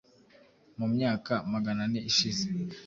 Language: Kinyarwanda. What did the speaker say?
Mu myaka Magana ane ishize